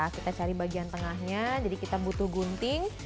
kita cari bagian tengahnya jadi kita butuh gunting